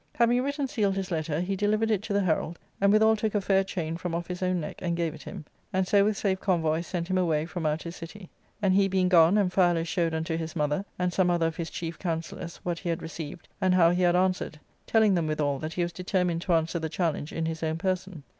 Having writ and sealed his letter, he delivered it to the herald, and withal took a fair chain from off his own neck and gave it him ; and so with safe convoy sent him away from out his city. And he being gone, Amphialus showed unto his mother, and some other of his chief counsellors, what he had received, and how he had answered, telling them withal that he was determined to answer the challenge in his own person.